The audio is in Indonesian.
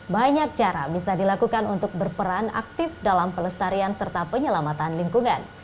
banyak cara bisa dilakukan untuk berperan aktif dalam pelestarian serta penyelamatan lingkungan